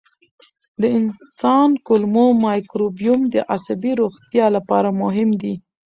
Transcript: د انسان کولمو مایکروبیوم د عصبي روغتیا لپاره مهم دی.